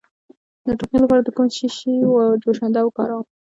د ټوخي لپاره د کوم شي جوشانده وکاروم؟